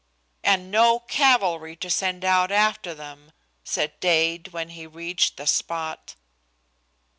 "And no cavalry to send out after them!" said Dade, when he reached the spot.